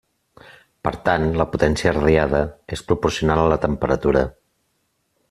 Per tant la potència radiada és proporcional a la temperatura.